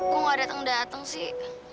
kok ga dateng dateng sih